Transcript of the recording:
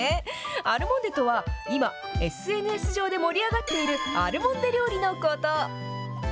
アルモンデとは、今、ＳＮＳ上で盛り上がっているアルモンデ料理のこと。